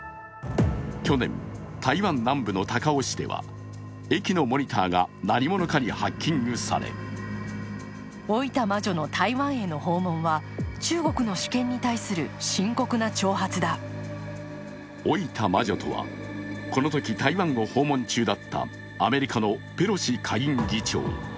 去年、台湾南部の高雄市では駅のモニターが何者かにハッキングされ老いた魔女とは、このとき台湾を訪問中だったアメリカのペロシ下院議長。